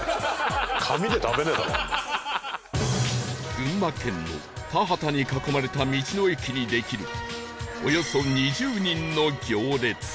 群馬県の田畑に囲まれた道の駅にできるおよそ２０人の行列